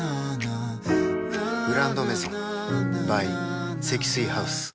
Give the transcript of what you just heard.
「グランドメゾン」ｂｙ 積水ハウス